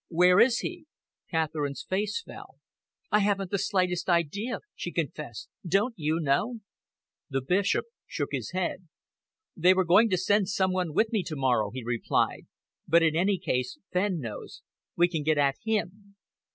"Where is, he?" Catherine's face fell. "I haven't the least idea," she confessed. "Don't you know?" The Bishop shook his head. "They were going to send some one with me tomorrow," he replied, "but in any case Fenn knows. We can get at him."